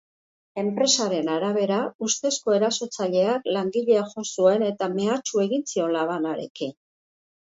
Enpresaren arabera, ustezko erasotzaileak langilea jo zuen eta mehatxu egin zion labanarekin.